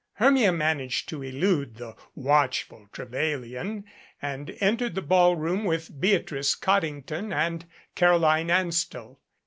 Hermia managed to elude the watchful Trevelyan and entered the ball room with Beatrice Cod dington and Caroline Anstell.